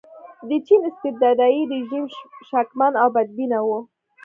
د چین استبدادي رژیم شکمن او بدبینه و.